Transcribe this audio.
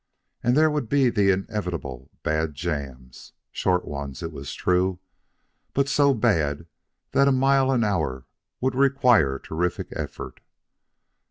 And there would be the inevitable bad jams, short ones, it was true, but so bad that a mile an hour would require terrific effort.